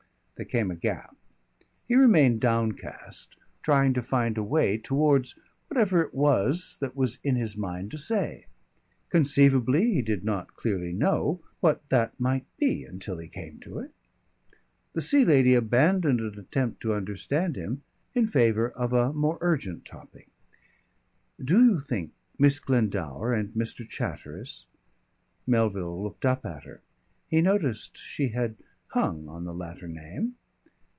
There came a gap. He remained downcast, trying to find a way towards whatever it was that was in his mind to say. Conceivably, he did not clearly know what that might be until he came to it. The Sea Lady abandoned an attempt to understand him in favour of a more urgent topic. "Do you think Miss Glendower and Mr. Chatteris ?" Melville looked up at her. He noticed she had hung on the latter name.